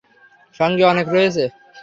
সঙ্গে অনেকে রয়েছে।